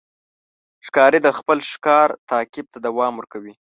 ښکاري د خپل ښکار تعقیب ته دوام ورکوي.